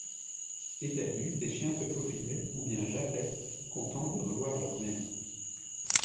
Eperdus, des chiens se faufilaient ou bien jappaient, contents de revoir leurs maîtres.